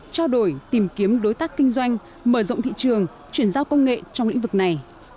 trao đổi tìm kiếm đối tác kinh doanh mở rộng thị trường chuyển giao công nghệ trong lĩnh vực này